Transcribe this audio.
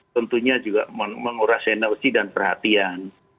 tentunya juga menguras energi dan perhatian